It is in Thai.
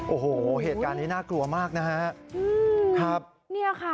โอ้โหเหตุการณ์นี้น่ากลัวมากนะฮะ